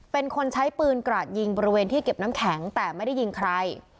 เป็นคนใช้ปืนกระดยิงบริเวณที่เก็บน้ำแข็งแต่ไม่ได้ยิงใคร